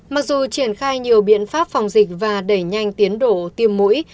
mặc dù triển khai nhiều biện pháp phòng dịch và đẩy nhanh tiến đổ tiêm mũi